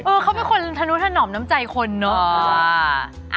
เขาเป็นคนทะนุถนอมน้ำใจคนเนอะ